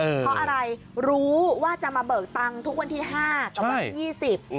เพราะรู้ว่าจะมาเบิกตังษ์ทุกวันที่๕ปีกรึงวันที่๒๐